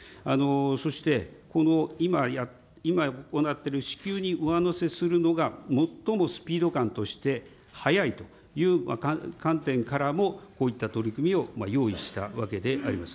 そしてこの今行っている支給に上乗せするのが、最もスピード感として速いという観点からもこういった取り組みを用意したわけであります。